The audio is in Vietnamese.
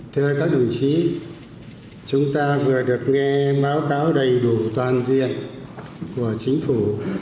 thưa các đồng chí chúng ta vừa được nghe báo cáo đầy đủ toàn diện của chính phủ